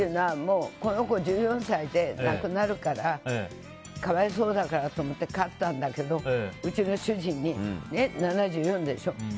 この子、１４歳で亡くなるから可哀想だからと思って飼ったんだけどうちの主人、７４でしょ。